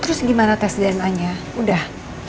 terus gimana tes dna nya udah